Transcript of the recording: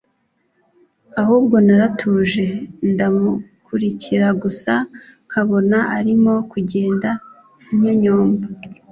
ahubwo naratuje ndamukurikira gusa nkabona arimo kugenda anyonyomba